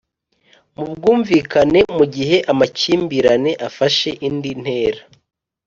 mu bwumvikane, Mu gihe amakimbirane afashe indi ntera.